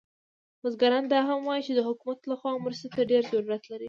بزګران دا هم وایي چې د حکومت له خوا مرستې ته ډیر ضرورت لري